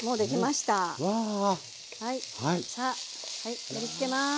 さあ盛りつけます。